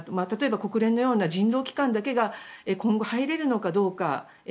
例えば、国連のような人道機関だけが今後は入れるのかどうか。